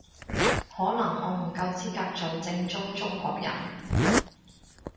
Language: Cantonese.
可能我唔夠資格做正宗中國人